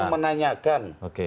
kami cuma menanyakan